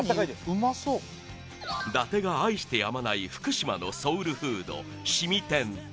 うまそう伊達が愛してやまない福島のソウルフード凍天